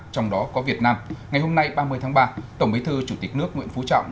trong đó có việt nam ngày hôm nay ba mươi tháng ba tổng bí thư chủ tịch nước nguyễn phú trọng